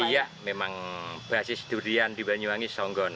iya memang basis durian di banyu angi songgon